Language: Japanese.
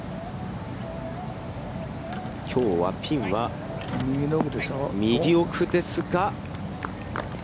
きょうは、ピンは右奥ですが。